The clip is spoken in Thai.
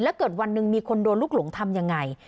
แล้วเกิดวันหนึ่งมีคนโดนลูกหลงทำยังไง